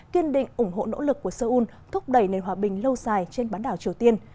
kiên định ủng hộ nỗ lực của seoul thúc đẩy nền hòa bình lâu dài trên bán đảo triều tiên